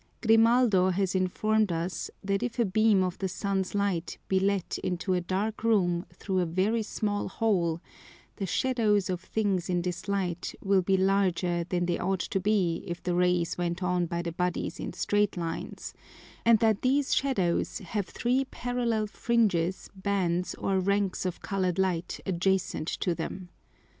_ Grimaldo has inform'd us, that if a beam of the Sun's Light be let into a dark Room through a very small hole, the Shadows of things in this Light will be larger than they ought to be if the Rays went on by the Bodies in straight Lines, and that these Shadows have three parallel Fringes, Bands or Ranks of colour'd Light adjacent to them.